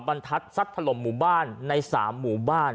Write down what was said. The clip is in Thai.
บรรทัศน์ทรัพย์ถลมหมู่บ้านในสามหมู่บ้าน